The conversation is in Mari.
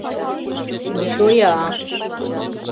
Ну чоя...